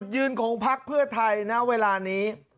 จุดยืนของภัครภัครภาคเพื่อไทยณเวลานี้